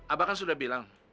abah kan sudah bilang